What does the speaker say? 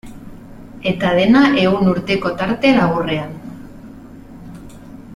Eta dena ehun urteko tarte laburrean.